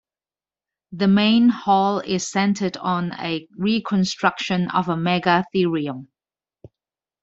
The main hall is centered on a reconstruction of a Megatherium.